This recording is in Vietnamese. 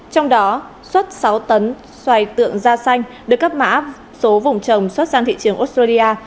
trong đó xuất sáu tấn xoài tượng da xanh được cấp mã số vùng trồng xuất sang thị trường australia